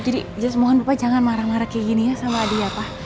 jadi just mohon bupa jangan marah marah kayak gini ya sama adi ya pak